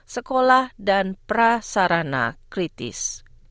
sekolah dan prasarana kritis